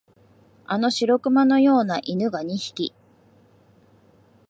あの白熊のような犬が二匹、